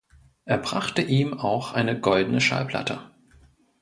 Er brachte ihm auch eine Goldene Schallplatte.